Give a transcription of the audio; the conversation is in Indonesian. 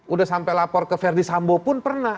udah sampai lapor ke verdi sambo pun pernah